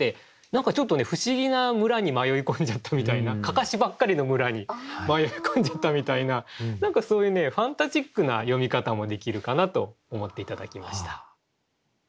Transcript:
何かちょっと不思議な村に迷い込んじゃったみたいな案山子ばっかりの村に迷い込んじゃったみたいな何かそういうファンタジックな読み方もできるかなと思って頂きました。